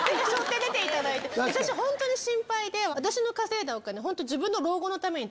私ホントに心配で私の稼いだお金自分の。